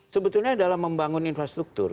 sebetulnya dalam membangun infrastruktur